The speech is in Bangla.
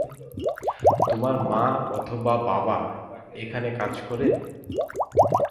তোমার মা অথবা বাবা এখানে কাজ করেন?